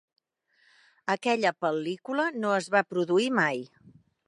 Aquella pel·lícula no es va produir mai.